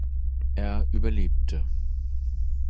Er überlebte.